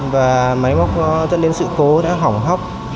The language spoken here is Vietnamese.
và máy móc dẫn đến sự cố đã hỏng hóc